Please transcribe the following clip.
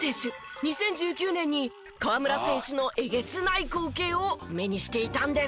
２０１９年に河村選手のえげつない光景を目にしていたんです。